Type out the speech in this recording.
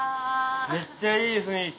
めっちゃいい雰囲気。